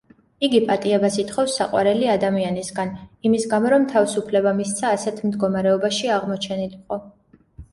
იგი პატიებას ითხოვს საყვარელი ადამიანისგან, იმის გამო, რომ თავს უფლება მისცა, ასეთ მდგომარეობაში აღმოჩენილიყო.